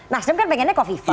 nasdem kan pengennya ko fifa